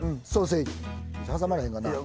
挟まれへんかな？